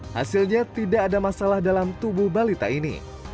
hasilnya tidak ada masalah dalam tubuh balita ini